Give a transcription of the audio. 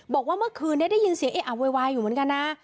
บอกว่าเมื่อคืนนี้ได้ยินเสียงเอ๊ะอ่ะโวยวายอยู่เหมือนกันนะ